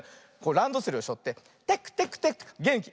ランドセルをしょってテクテクテクってげんきに。